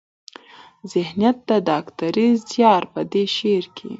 ذهنيت د ډاکټر زيار په دې شعر کې